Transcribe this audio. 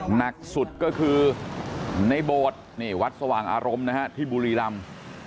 หนักสุดก็คือในโบสถ์นี่วัดสว่างอารมณ์นะฮะที่บุรีรำ